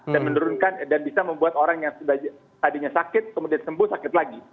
dan bisa membuat orang yang tadinya sakit kemudian sembuh sakit lagi